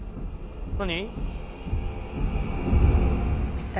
何？